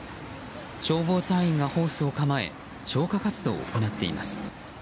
消防隊員がホースを構え消火活動を行っています。